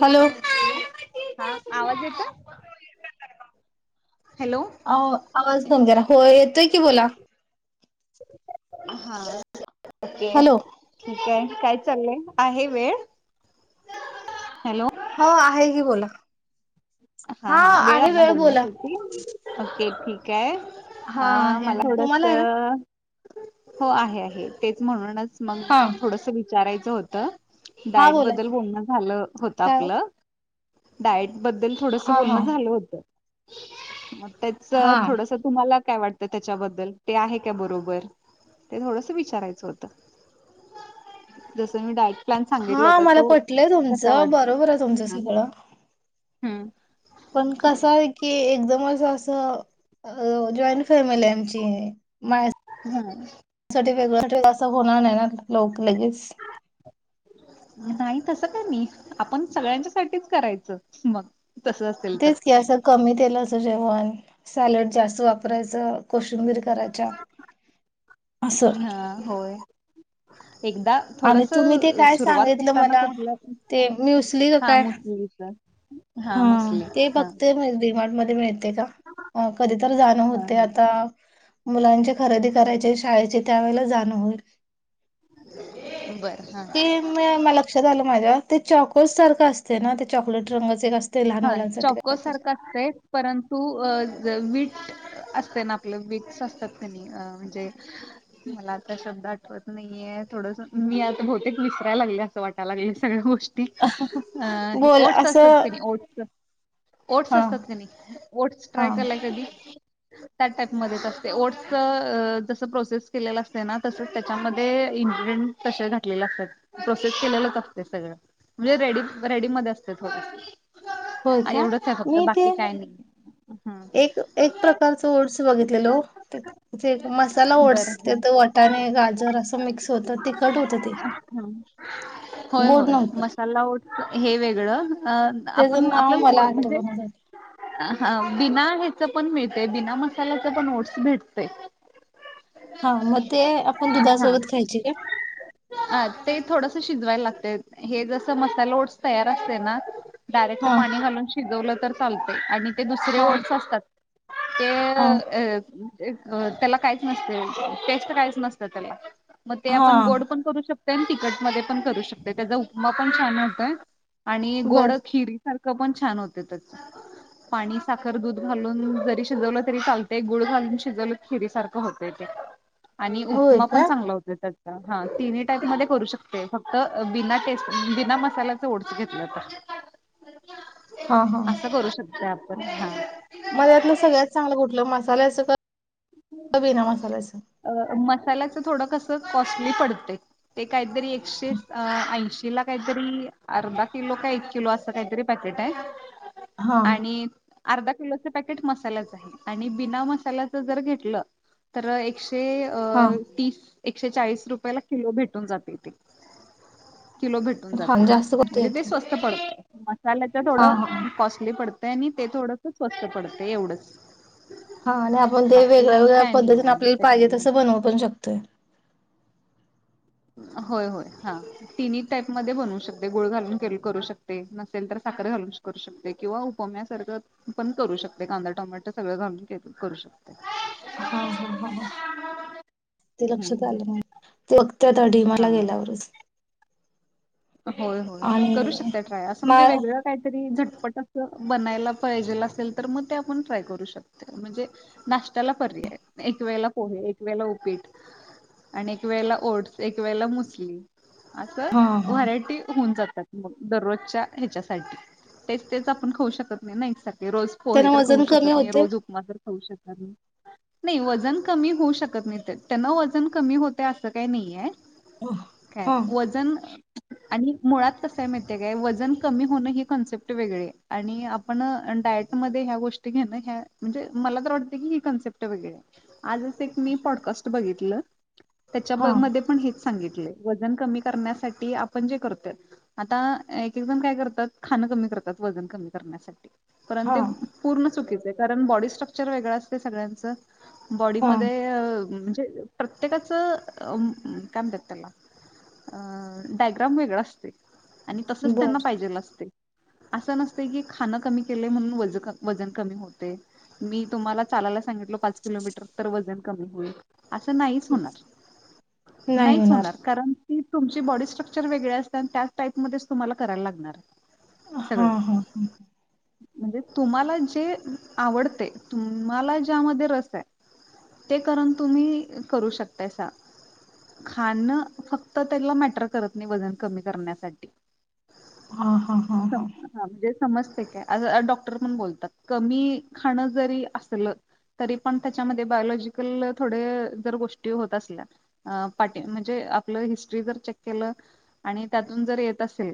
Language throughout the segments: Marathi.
हॅलो. हा आवाज येतोय. हॅलो. अ आवाज नम घेरा हो येतोय की बोला. हा ओके. हॅलो. ठीक आहे काय चाललंय आहे वेळ हॅलो. हो आहे की बोला हा आहे वेळ बोला. ओके ठीक आहे हा अ आहे मला आहे. तुम्हाला आहे ना? थोडस. हो आहे आहे तेच म्हणूनच मग हा. थोडस विचारायचं होतं. हा बोला डायटबद्दल की. बोलणं झालं होत काय ओ? आपलं डायटबद्दल थोडस हा हा. बोलण झालं होत मग त्याच हा. थोडस तुम्हाला काय वाटतं त्याच्याबद्दल ते आहे का बरोबर ते थोडस विचारायचं होत जस मी डायरेक्ट प्लॅन सांगितला हा होता मला तो पटलंय कसा तुमचं. वाटतो. बरोबर आहे तुमचं सगळं. हम्म. पण कसं आहे की एकदमच असं जॉईंट फॅमिली आहे आमची म [unintelligible] हम्म. साठी वेगळ्या असं होणार नाही ना लोक लगेच. नाही तसं का नाही आपण सगळ्यांच्या साठीच करायचं मग तसं असेल तर तेच की असं कमी तेलाचं जेवण सॅलड जास्त वापरायचं कोशिंबीर घराच्या असं. हा होय. एकदा आणि थोडस तुम्ही ते काय सुरुवात सांगितलं करताना मला कुठ ते म्युसली हा मुस्च हा ते फक्त रिमार्ट मध्ये मिळते का? अ कधी तर जाणं हा होते हा आता मुलांचे खरेदी करायचे शाळेचे त्यावेळे जाणं होईल. बरं हा. ते म म लक्षात आलं माझ्या ते चॉकोस सारखं असत. ना ते चॉकलेट रंगच एक असते लहान मुलांसाठी का? ते परंतु अ वीट असते ना आपलं वीक्स असतात की नाही म्हणजे मला आता शब्द आठवत नाहीये थोडस मी आता बहुतेक विसरायला लागले असं वाटायला लागले सगळ्या गोष्टी अ बोल ओट्स असं असत ते ओट्स ओट्स हा असतात क नाही ओट्स हा ट्राय कलाय कधी त्या टॅकमध्ये असते ओटसच जस प्रोसेस केलेलं असते ना तस त्याच्यामध्ये इन्ग्रिडियंट तसे घातलेले असतात प्रोसेस केलेलंच असते सगळं. म्हणजे रेडी रेडी मध्ये असते होय थोडस का एवढंच आहे फक्त मी बाकी ते काय नाही. एक एक प्रकारच ओट्स बघितलेले मसाला ओट्स बरं हा बरं तेथ वटाणे गाजर असं मिक्स होतं तिखट होतं ते हा होय गोड होय नव्हतं मसाला ओट हे वेगळं त्याचं आपण नाव आपल्याला मला ग म्हणजे आठवना झालं हा बिना ह्याच पण मिळतय बिना मसाल्याच पण ओट्स भेटते. हा मग ते आपण हा दुधासोबत खायचे. अ ते थोडस शिजवायला लागत हे जसं मसाला ओट्स तयार असते ना, डायरेक्ट हा पाणी घालून शिजवलं तर चालतं आणि ते हा दुसरे ओटस असतात. ते हा अ त्याला काहीच नसते टेस्ट काहीच नसतं त्याला मग ते हा आपण गोड पण करू शकतो. म तिकट मध्ये पण करू शकते त्याचा उपमा पण छान होतय. आणि गोड बस खिरी सारखं पण छान होते त्या पाणी साखर दूध घालून जरी शिजवलं तरी चालते गुळ घालून शिजव खीरी सारखं होत ते आणि होय उपमा पण का चांगला होत त्याचा हा तिन्ही टाईप मध्ये करू शकता. फक्त बिना टेस्ट बिना मसाल्याच ओढच घेतलंता. हा हा असं करू शकतो आपण हा मध्ये्यातलं सगळ्यात चांगलं कुठलं मसाल्याचं क बी ना मसाल्याचं, अ मसाल्याचं थोडं कसं कॉस्टली पडते. ते काहीतरी एकशे ऐंशी ला काहीतरी अर्धा किलो का एक किलो असं काहीतरी पाकीट आहे. हा आणि अर्धा किलो पकेट मसाल्याच आहे आणि बिना मसाल्याच जर घ तर एकशे हा तीस एकशे चाळीस रुपयाेला किलो भेटून जाते ते किलो भेट हा जास्त करता म्हणजे ते येतं स्वस्त पडत मसाल्याच थोड हा हा कॉस्टली पडत. आणि ते थोडंस स्वस्त पडते एवढंच हा आणि आपण ते बाकी वेगळ्या वेगळ्या काय नाही पद्धतीने आणि आपल्याला पाहिजे तसं त्याच्यामध्ये बनव पण शकतोय. होय होय हा तिनही टाईप मध्ये बनू शकते गुळ घालून करू शकते नसेल तर साखर घालू करू शकते किंवा कोम्यासारखं पण करू शकते कांदा टोमॅट सगळं घालुन करू शकते. हा हा ह ते हम्म लक्षात आलं हम्म ना, ते अगत्यात अडी मला हा गेल्यावरच होय होय करू आणि शकता ट्राय असं मा म्हणजे वेगळं ॅटरी झटपट अस बनायला पाहिजेल असेल तर मग ते आपण ट्राय करू शकते म्हणजे नाश््याला पर्याय एक वेळेला पोहे एक वेळेला उपीट आणि एक वेळेला ओट्स एक वेळेला मुसली हा असं हा व्हरायटी होऊन जातात दररोजच्या ह्याच्या तेच तेच आपण खाऊ शकत नाही ना एकसारखेच रोज पोहे त्यांना तर खाऊ वजन कमी शकत नाही होते रोज उपमा तर खाऊ शकत नाही. नाही वजन कमी होऊ शकत नाही त्यांना वजन कमी होते असं काही नाहीय. हा काय हा वजन आणि मुळात कसंय माहिती आहे का वजन कमी होणं हे कॉन्सेप्ट वेगळे आणि आपण डायट मध्ये ह्या गोष्टी घेणं ह म्हणजे मला तर वाटते की ही कन्सेप्ट आजच एक मी पॉडकास्ट बघितलं, त्याच्या हा मध्ये पण हेच. सांगितले वजन कमी करण्यासाठी आपण जे करतोय आता एक एक जण काय करतात खाणं कमी करतात वजन कमी करण्यासाठी परण ते पूर्ण चुकीचे आहे कारण बॉडी स्ट्रक्चर वेगळं असत सगळ्यांचं हा बॉडीमध्ये म्हणजे प्रत्येकाचं काय म्हणतात त्याला अ डायग्राम वेगळा असते. आणि तसच बर त्यांना पाहिजेल असते. असं नसत की खाणं कमी केलंय म्हणून वजन कमी होते. मी तुम्हाला चालायला सांगितलो पाच किलोमीटर तर वजन कमी होईल. आस नाहीच होणार नाहीच होणार कारण कि तुमची बाॅडी स्ट्रक्चर वेगळे असणार त्याच टाईप मध्ये तुम्हाला करायला लागणार. हा सगळं हा हा म्हणजे तुम्हाला जे आवडते तुम्हाला ज्यामध्ये रस आहे. ते करून तुम्ही करू शकताय सा खाण फक्त त्याला मॅटर करत नाही वजन कमी करण्यासाठी ह हा हा हा सम- हा म्हणजे समजते काय डॉक्टर पण बोलतात कमी खाणं जरी असलं तरी पण त्याच्यामध्ये बायोलॉजिकल थोडे जर गोष्टी होत असल्या म्हणजे आपलं हिस्टरी जर चेक केलं आणि त्यातून जर येत असेल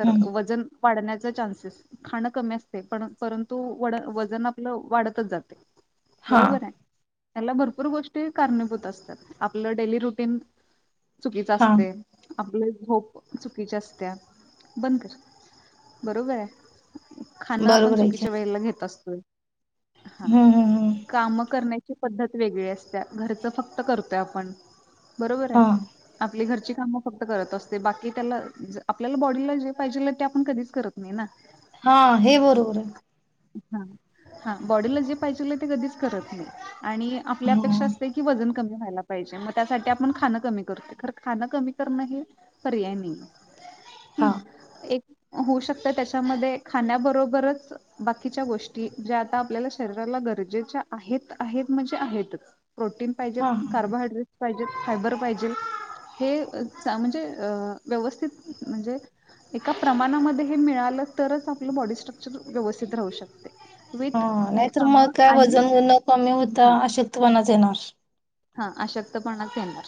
तर हम्म वजन वाढण्याचे चान्सेस खाणं कमी असते पण परंतु वजन आपलं वाढतच जाते हा बरोबर आहे. त्या भरपूर गोष्टी कारणीभूत असतात आपलं डेली रुटीन चुकीच हा असते आपले होप चुकीच्या असत्या, बंद कर. बरोबर आहे. खाण आपण बरोबर आहे की चुकीच्या वेळेला घेत असतोय हा हम्म हम्म हम्म काम करण्याची पद्धत वेगळी असते घरचं फक्त करतोय आपण बरोबर हा आहे. आपली घरची काम फक्त करत असते बाकी त्याला आपल्याला बॉडीला जे पाहिजे ते आपण कधीच करत नाही ना. हा हे बरोबर आहे हा बॉडीला जे पाहिजे ते कधीच करत नाही. आणि आपल्या हा आपेक्षा की वजन कमी व्हायला पाहिजे मग त्यासाठी आपण खां कमी करतो ख खाण कमी करण हे पर्याय नाही. हा एक होऊ शकत त्याच्यामध्ये खाण्याबरोबरच बाकीच्या गोष्टी ज्या आता आपल्याला शरीराला गरजेच्या आहेत आहेत म्हणजे आहेतच. प्रोटीन हा पाहिजेत, हा कार्बोहायड्रेट्स पाहिजेत, फायबर पाहिजे. -हे म्हणजे व्यवस्थित म्हणजे - एका प्रमाणामध्ये हे मिळालं तरच आपलं बॉडी स्ट्रक्चर व्यवस्थित राहू शकतं. हा नाही तरर मग काय आणि वजन न कमी हा होता अशक्तपणाच येणार. हा अशक्तपणा च येणार,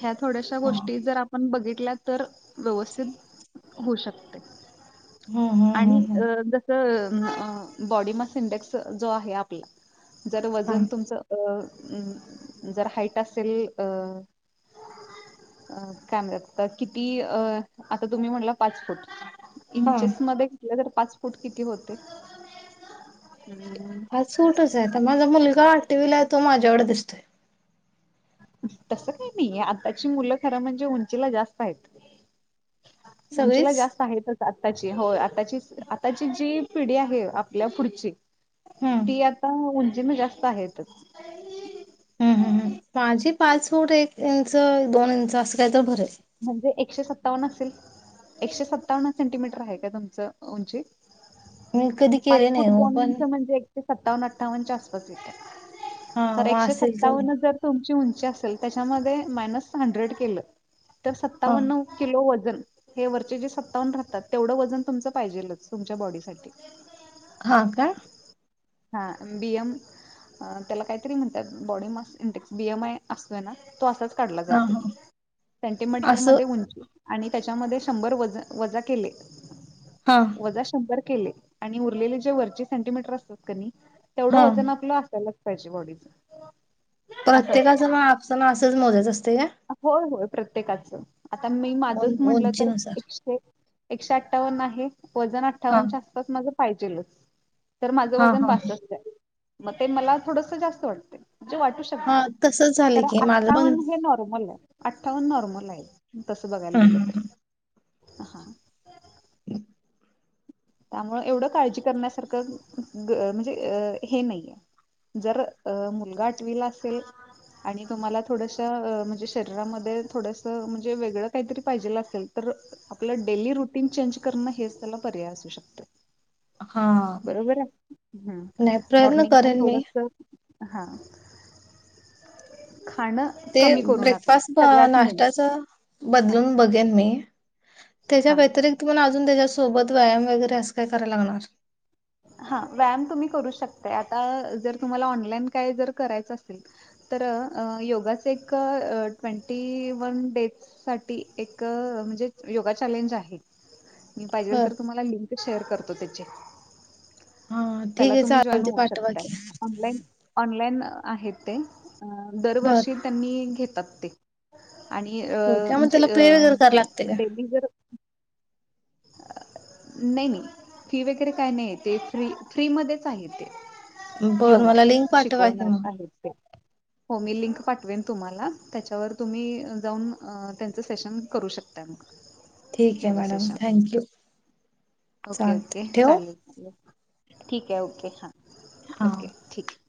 ह्या थोड्याशा हा गोष्टी जर आपण पण बघितल्या तर व्यवस्थित होऊ शकते. हम्म हम्म आणि हम्म हम्म जस बॉडी म इंडेक्स जो आहे जर हा वजन तुमच जर हाईट असेल अ अ कॅमेऱ्यात किती आता तुम्ही म्हटला पाच फूट हा इंचेस मध्ये त तर पाच फुट किती होते? पाच फुटच ये आता माझा मुलगा आठव्हीला आहे तो माझ्या एव्हढ दिसतोय. तसं काही नाही आताची मुलं खरं म्हणजे उंचीला जास्त आहेत. उंचीला सगळीच जास्त आहे. आत्ताची हो आताची, आताची जी पिढी आहे आपल्या पुढची हम्म ती आता उंचीन जास्त आहेतच. हम्म हं हं माझी पाच फूट एक इंच दोन इंच असं काही तर भरेल. म्हणजे एकशे सत्तावन्न असेल एकशे सत्तावन्न सेंटीमीटर आहे काय तुमचं? उंची मी कधी पाच केले नाही फूट हो दोन पण इंच म्हणजे सत्तावन्न अठ्ठावनच्या आसपास हा येतयं तर मग एकशे असेल तेवढं सत्तावन्न जर तुमची उंची असेल त्याच्यामधे मायनस हंडरेड केल तर हा सत्तावन्न किलो वजन हे वरचे जे सत्तावन्न राहतात तेवढं वजन तुमचं पाहिजेलच तुमच्या बॉडी साठी. हा काय? हा बि एम त्याला काहीतरी म्हणतात body mass index B M I असतोय ना तो असाच काढला हा जातोय हा सेंटीमीटर असं मध्ये उंची आणि त्याच्यामध्ये शंभर वज वजा केले हा. वजा शंभर केले आणि उरलेले जे वरचे सेंटिमीटर असतात की नाही तेवढ हा आपल वजण असायलावच पा त्याची बॉडीच असं प्रत्येकाच असतं मग आपस असंच मोजायच असतयं काय? होय होय प्रत्येकाचं आता मी माझंच उं म्हटलं तर उंचीनुसार एकशे एकशे अठ्ठावन्न आहे वजन हा अठ्ठावन्नच्या आसपास माझं पाहिजेलचं. तर माझं हा वजन हा बासष्ट आहे मग ते मला थोडस जास्त वाटतय म्हणजे वाटू शक हा तसच झालं की माझं पण र्मलय अठ्ठावन्न नॉर्मल आहे तस बघायला हा गेलं हा तर हा. [inaudible] त्यामुळे एवढं काळजी करण्यासारखं म्हणजे अ हे नाहीेये. जर अ मुलगा आठवीला असेल आणि तुम्हाला थोडसं अ म्हणजे शरीरामध्ये थोडसं म्हणजे वेगळं काहीतरी पाहिजेल असेल तर आपलं डेली रुटीन चेंज करणं हेच त्याला पर्याय असू शकत हा. बरोबरयं हं नाही प्रयत्न मॉर्निंगला करेन मी थोडसं हा खाणं ते कमी करू नका ब्रेकफास्ट सगळ्यात मेन नाश्त्याच हा बदलून बघेन मी. त्याच्या हा व्यतिरिक्त पण अजून त्याच्या सोबत व्यायाम वगैरे असं काय कराय लागणार? हा व्यायाम तुम्ही करू शकताय आता जर तुम्हाला ऑनलाईन काय जर करायचं असेल तर अ योगाच एक अ ट्वेंटी वन डेज साठी एक म्हणजे योगा चॅलेंज आहे. मी पाहिजेल बर तर तुम्हाला लिंक शेअर करतो त्याचे. हा त्याला ठीक आहे तुम्ही जॉईन चालते होऊ पाठवा शकताय. की ऑनलाईन ऑनलाईन आहे ते बर दरवर्षी त्यांनी घेतात ते. आणि अ हो का मग म्हणजे त्याला अ पे वगैरे करायला लागते का डेली जर नाही नाही फी वगैरे काय नाही ते फ्री फ्रीमध्येच आहे ते. बर योगा मला लिंक पाठवा की शिकवणार मग. आहेत ते. हो मी लिंक पाठवेन तुम्हाला त्याच्यावर तुम्ही जाऊन अ त्यांचं सेशन करू शकताय मग. ठीक आहे yoga madam session thank you. Okay okay चालेल ठीक आहे ओके हां. हा ओके ठीक आहे.